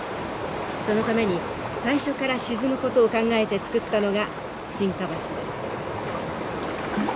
そのために最初から沈むことを考えて造ったのが沈下橋です。